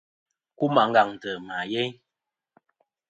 Kum àngaŋtɨ ma yeyn.